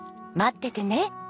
待っててね。